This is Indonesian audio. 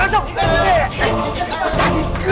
suatu hari nanti